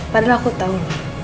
padahal aku tahu